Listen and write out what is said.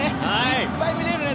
いっぱい見れるね。